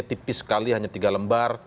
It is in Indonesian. tipis sekali hanya tiga lembar